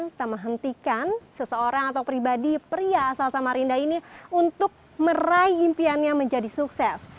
kita menghentikan seseorang atau pribadi pria asal samarinda ini untuk meraih impiannya menjadi sukses